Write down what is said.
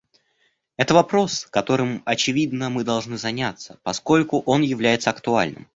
Это вопрос, которым, очевидно, мы должны заняться, поскольку он является актуальным.